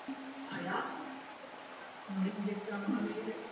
Celé území župy leží ve Velké uherské nížině a je zcela ploché.